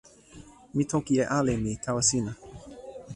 mi toki e ale mi tawa sina.